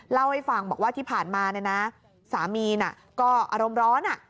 เล่าให้ฟังบอกว่าที่ผ่านมาสามีนก็อารมณ์ร้อน